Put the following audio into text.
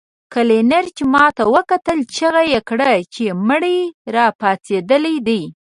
کلينر چې ماته وکتل چيغه يې کړه چې مړی راپاڅېدلی دی.